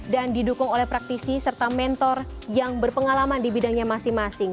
dan didukung oleh praktisi serta mentor yang berpengalaman di bidangnya masing masing